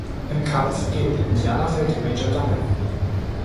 Im Kampf gegen die Indianer fällt Major Dunham.